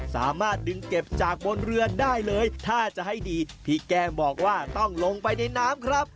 สามารถดึงเก็บจากบนเรือได้เลยถ้าจะให้ดีพี่แก้มบอกว่าต้องลงไปในน้ำครับ